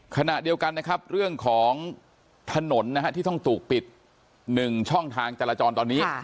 ขณะเดียวกันนะครับเรื่องของถนนนะฮะที่ต้องถูกปิด๑ช่องทางจราจรตอนนี้